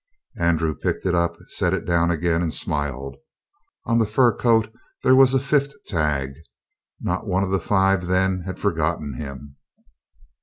Andrew picked it up, set it down again, and smiled. On the fur coat there was a fifth tag. Not one of the five, then, had forgotten him.